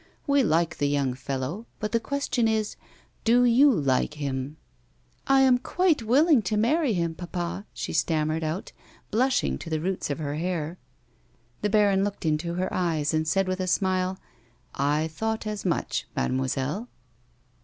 We like the young fellow, but the question is, do you like him 1 "" I am quite willing to marry him, papa," she stammered out, blushing to the roots of her hair. The baron looked into her eyes, and said with a smile :" I thought as much, mademoiselle."